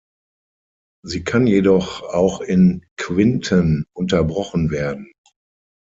Sie kann jedoch auch in Quinten unterbrochen werden.